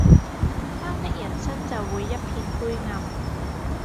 他的人生就會一片灰暗